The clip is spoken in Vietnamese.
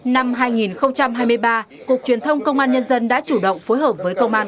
năm hai nghìn hai mươi ba cục truyền thông công an nhân dân đã chủ động phối hợp với công an